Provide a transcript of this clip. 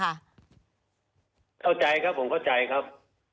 เข้าใจครับผมเข้าใจครับ